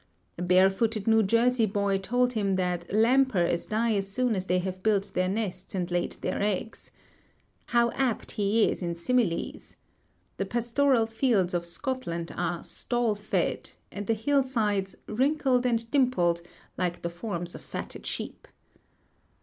A barefooted New Jersey boy told him that "lampers" die as soon as they have built their nests and laid their eggs. How apt he is in similes! The pastoral fields of Scotland are "stall fed," and the hill sides "wrinkled and dimpled, like the forms of fatted sheep."